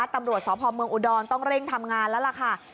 ตำรวจสพเมืองอุดรต้องเร่งทำงานแล้วล่ะค่ะ